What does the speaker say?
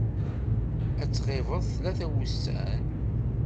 Ad tɣibeḍ tlata n wussan.